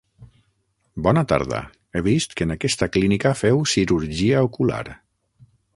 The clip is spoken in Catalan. Bona tarda, he vist que en aquesta clínica feu cirurgia ocular.